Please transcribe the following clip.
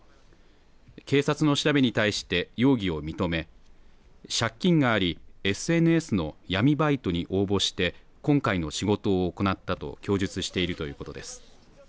警察の調べに対して、容疑を認め借金がありＳＮＳの闇バイトに応募して今回の仕事を行ったと供述しているということです。